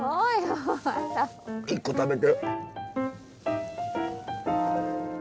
１個食べて。